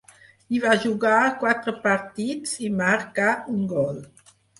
Hi va jugar quatre partits, i marcà un gol.